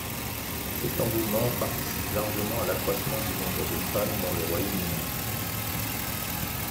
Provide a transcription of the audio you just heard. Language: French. Cet engouement participe largement à l’accroissement du nombre de fans dans le Royaume-Uni.